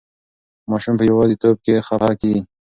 ماشوم په یوازې توب کې خفه کېږي.